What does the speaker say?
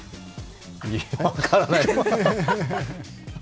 いや、分からないです。